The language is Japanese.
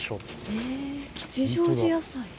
へえ吉祥寺野菜？